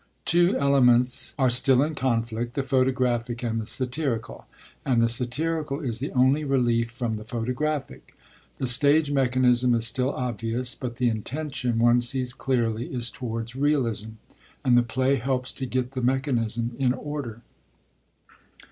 Two elements are still in conflict, the photographic and the satirical; and the satirical is the only relief from the photographic. The stage mechanism is still obvious; but the intention, one sees clearly, is towards realism; and the play helps to get the mechanism in order.